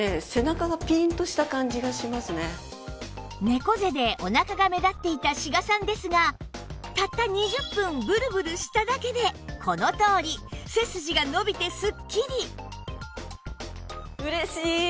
猫背でおなかが目立っていた志賀さんですがたった２０分ブルブルしただけでこのとおり背筋が伸びてすっきり！